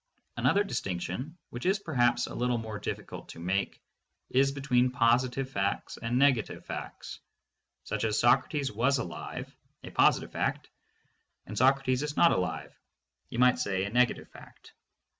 Another distinction, which is perhaps a little more difficult to make, is between positive facts and negative facts, such as "Socrates was alive" — a positive fact, — and "Socrates is not alive" — you might say a negative fact.